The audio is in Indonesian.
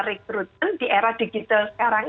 recruitment di era digital sekarang